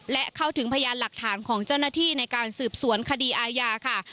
และเข้าถึงพยานหลักฐานของเจ้าหน้าที่ในการสืบสวนคดีอาญาค่ะ